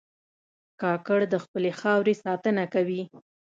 کاکړ د خپلې خاورې ساتنه کوي.